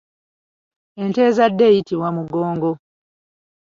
Ente ezaddeko eyitibwa mugongo.